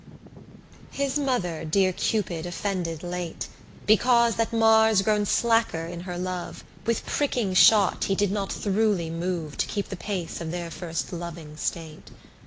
17 His mother dear Cupid offended late, Because that Mars grown slacker in her love, With pricking shot he did not throughly more To keep the pace of their first loving state.